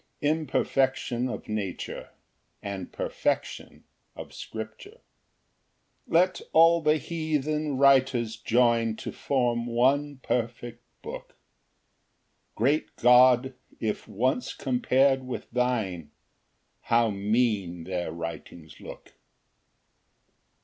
Imperfection of nature, and perfection of scripture. Ver. 96. paraphrased. 1 Let all the heathen writers join To form one perfect book, Great God, if once compar'd with thine, How mean their writings look!